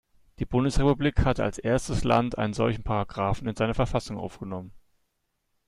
Die Bundesrepublik hatte als erstes Land einen solchen Paragraphen in seine Verfassung aufgenommen.